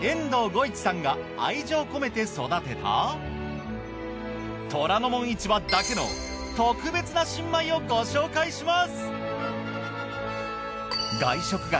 愛情込めて育てた『虎ノ門市場』だけの特別な新米をご紹介します。